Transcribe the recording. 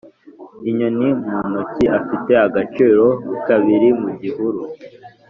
inyoni mu ntoki ifite agaciro kabiri mu gihuru.